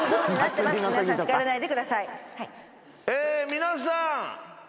皆さん。